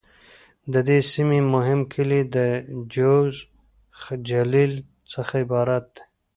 د دې سیمې مهم کلي د: جوز، جلیل..څخه عبارت دي.